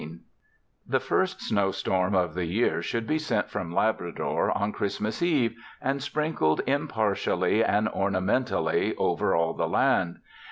The first snowstorm of the year should be sent from Labrador on Christmas Eve and sprinkled impartially and ornamentally over all the land.